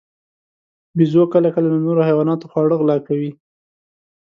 بیزو کله کله له نورو حیواناتو خواړه غلا کوي.